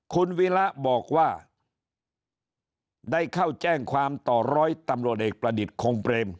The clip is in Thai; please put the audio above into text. คุณวิระบอกว่าได้เข้าแจ้งความต่อร้อยตำรวจเอกประดิษฐ์คงเปรม